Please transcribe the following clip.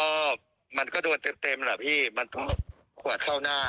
เราก็มันก็เดินเต็มเหรอพี่เหวะเข้าหน้า